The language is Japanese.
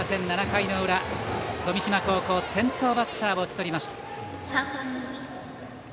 ７回の裏富島高校、先頭バッターを打ち取りました。